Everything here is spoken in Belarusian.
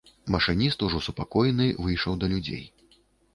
Машыніст, ужо супакоены, выйшаў да людзей.